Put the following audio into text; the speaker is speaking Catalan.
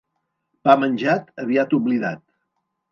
Pa menjat, aviat oblidat.